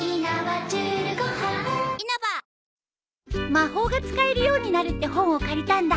魔法が使えるようになるって本を借りたんだ。